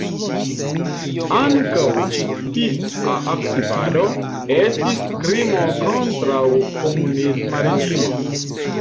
Ankaŭ ĉi tia aktivado estis krimo kontraŭ komunisma reĝimo.